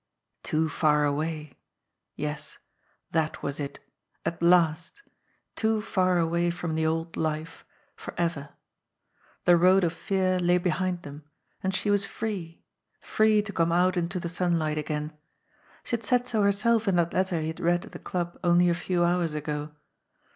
Too far away! Yes, that was it at last! Too far away from the old life forever. The road of fear lay behind them, and she was free, free to come out into the sunlight again. She had said so herself in that letter he had read at the club only a few hours ago.